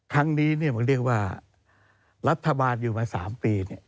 ครั้งนี้เนี่ยผมเรียกว่ารัฐบาลอยู่มา๓ปีเนี่ย